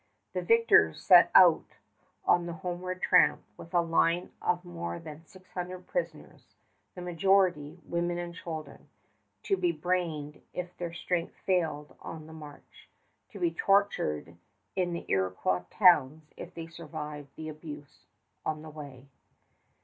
The victors set out on the homeward tramp with a line of more than six hundred prisoners, the majority, women and children, to be brained if their strength failed on the march, to be tortured in the Iroquois towns if they survived the abuse on the way.